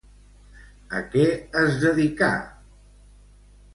A què es dedicà?